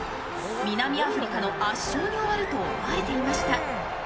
南アフリカの圧勝に終わるとみられていました。